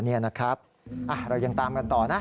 เรายังตามกันต่อนะ